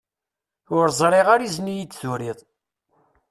Ur ẓriɣ ara izen iyi-d-turiḍ.